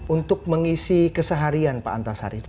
untuk mengisi keseharian pak antasari